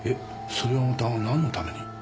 それはまたなんのために？